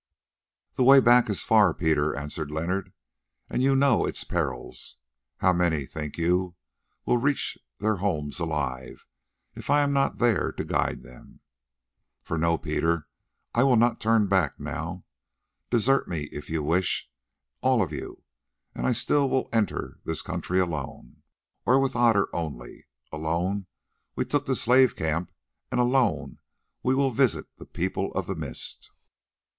"The way back is far, Peter," answered Leonard, "and you know its perils. How many, think you, will reach their homes alive if I am not there to guide them? For know, Peter, I will not turn back now. Desert me, if you wish, all of you, and still I will enter this country alone, or with Otter only. Alone we took the slave camp and alone we will visit the People of the Mist."